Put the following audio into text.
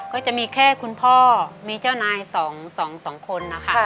ก็จะมีแค่คุณพ่อมีเจ้านาย๒๒คนนะคะ